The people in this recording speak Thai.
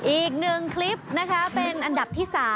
อีกหนึ่งคลิปนะคะเป็นอันดับที่๓